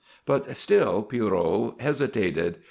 But still Pierrot hesitated.